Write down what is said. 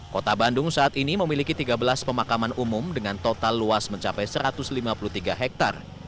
kota bandung saat ini memiliki tiga belas pemakaman umum dengan total luas mencapai satu ratus lima puluh tiga hektare